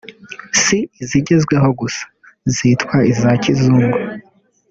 si izigezweho gusa (zitwa iza kizungu)